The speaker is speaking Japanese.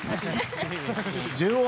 ＪＯ１